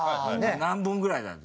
何本ぐらいになるの？